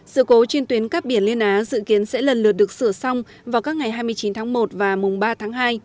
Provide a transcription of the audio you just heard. sự cố trên tuyến cắp biển liên á dự kiến sẽ lần lượt được sửa xong vào các ngày hai mươi chín tháng một và mùng ba tháng hai